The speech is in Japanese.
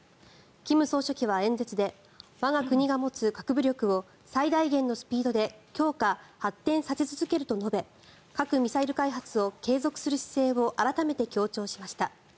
金総書記は演説で我が国が持つ核武力を最大限のスピードで強化・発展させ続けると述べ核・ミサイル開発を継続する姿勢を改めて強調しました。